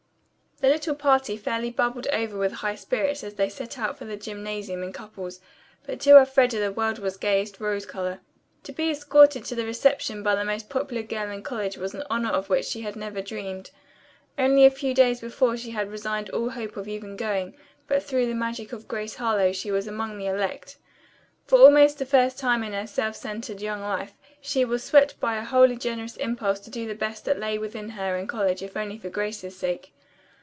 The little party fairly bubbled over with high spirits as they set out for the gymnasium in couples, but to Elfreda the world was gayest rose color. To be escorted to the reception by the most popular girl in college was an honor of which she had never dreamed. Only a few days before she had resigned all hope of even going, but through the magic of Grace Harlowe she was among the elect. For almost the first time in her self centered young life, she was swept by a wholly generous impulse to do the best that lay within her in college if only for Grace's sake.